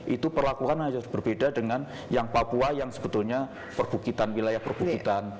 itu perlakuan hanya berbeda dengan yang papua yang sebetulnya perbukitan wilayah perbukitan